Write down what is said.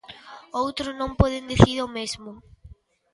Outros non poden dicir o mesmo.